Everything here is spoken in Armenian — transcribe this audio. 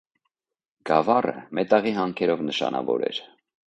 Գաւառը մետաղի հանքերով նշանաւոր էր։